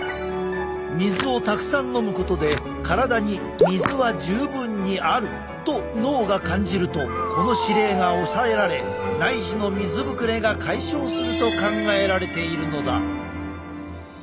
水をたくさん飲むことで体に水は十分にあると脳が感じるとこの指令が抑えられ内耳の水ぶくれが解消すると考えられているのだ。